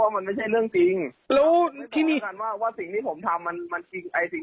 ว่ามันไม่ใช่เรื่องจริงว่าสิ่งที่ผมทำมันมันจริงไอ้สิ่ง